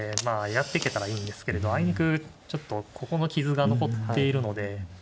やっていけたらいいんですけれどあいにくちょっとここの傷が残っているので。